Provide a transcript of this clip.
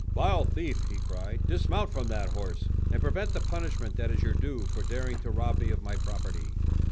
"Vile thief," he cried, "dismount from that horse, and prevent the punishment that is your due for daring to rob me of my property.